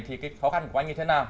thì cái khó khăn của anh như thế nào